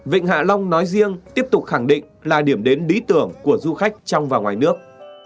vịnh hạ long nói riêng tiếp tục khẳng định là điểm đến lý tưởng của du khách trong và ngoài nước